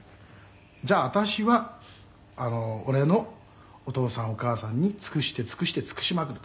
「“じゃあ私は”俺のお父さんお母さんに尽くして尽くして尽くしまくると」